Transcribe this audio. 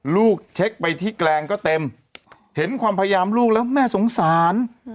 ลูกเช็คไปที่แกลงก็เต็มเห็นความพยายามลูกแล้วแม่สงสาร